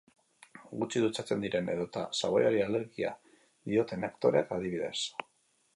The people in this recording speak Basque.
Gutxi dutxatzen diren edota xaboiari alergia dioten aktoreak adibidez.